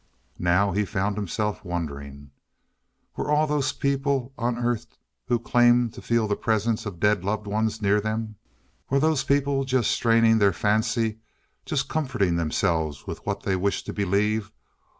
Now he found himself wondering. Were all those people on Earth who claimed to feel the presence of dead loved ones near them? Were those people just straining their fancy just comforting themselves with what they wished to believe?